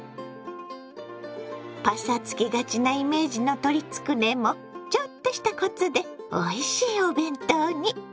パサつきがちなイメージの鶏つくねもちょっとしたコツでおいしいお弁当に。